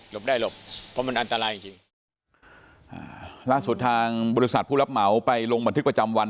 ได้หลบเพราะมันอันตรายจริงอ่าล่าสุดทางบริษัทผู้รับเหมาไปลงบันทึกประจำวัน